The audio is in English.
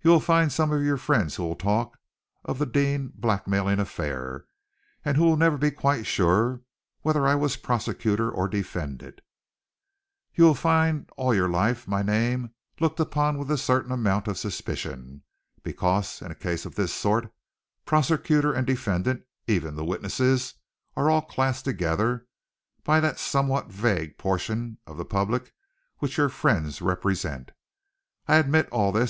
You will find some of your friends who will talk of the 'Deane Blackmailing Affair,' and who will never be quite sure whether I was prosecutor or defendant. You will find all your life my name looked upon with a certain amount of suspicion, because, in a case of this sort, prosecutor and defendant, and even the witnesses, are all classed together by that somewhat vague portion of the public which your friends represent. I admit all this.